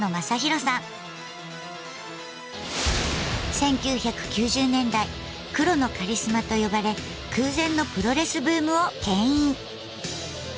１９９０年代「黒のカリスマ」と呼ばれ空前のプロレスブームをけん引。